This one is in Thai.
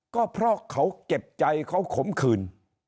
ก็เพราะเขาเก็บใจเขาขมขืน